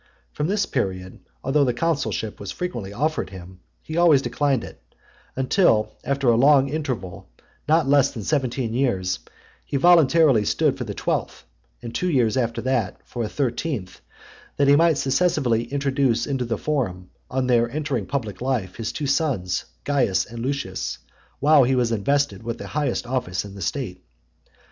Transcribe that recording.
From this period, although the consulship was frequently offered him, he always declined it, until, after a long interval, not less than seventeen years, he voluntarily stood for the twelfth, and two years after that, for a thirteenth; that he might successively introduce into the forum, on their entering public life, his two sons, Caius and Lucius, while he was invested with the highest office in the state.